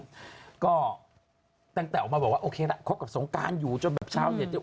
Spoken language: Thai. แล้วก็ตั้งแต่ออกมาบอกว่าโอเคละคบกับสงการอยู่จนแบบชาวเน็ตเนี่ย